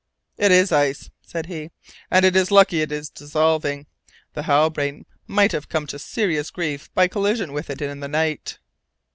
"It is ice," said he, "and it is lucky that it is dissolving! The Halbrane might have come to serious grief by collision with it in the night."